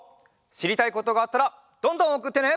しりたいことがあったらどんどんおくってね！